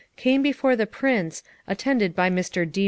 came before the Prince, attended by Mr. D.